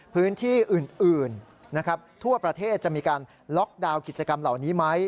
พื้นที่อื่นนะครับทั่วประเทศจะมีการล็อกดาวน์กิจกรรมเหล่านี้ไหม